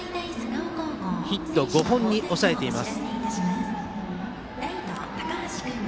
ヒット５本に抑えています。